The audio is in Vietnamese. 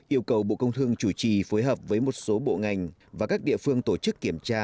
yêu cầu bộ công thương chủ trì phối hợp với một số bộ ngành và các địa phương tổ chức kiểm tra